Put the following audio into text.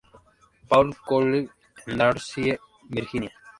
Paul's College en Lawrenceville, Virginia.